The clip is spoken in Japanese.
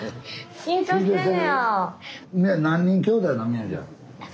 緊張してんねや。